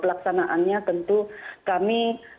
pelaksanaannya tentu kami